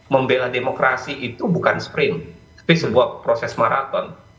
membela demokrasi itu bukan sprint tapi sebuah proses maraton